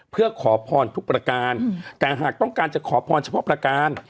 เพื่อขอพรทุกประการแต่หากต้องการจะขอพรเฉพาะประการ